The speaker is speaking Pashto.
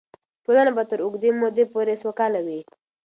ټولنه به تر اوږدې مودې پورې سوکاله وي.